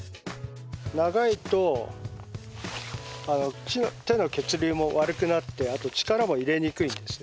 長いと手の血流も悪くなってあと力も入れにくいんですよね。